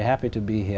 hợp lý quốc gia